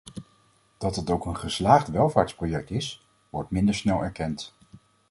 Dat het ook een geslaagd welvaartsproject is, wordt minder snel erkend.